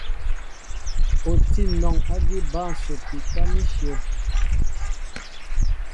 O tí anɔŋ ágí bǎl ǹsəpi tâm íshyə̂.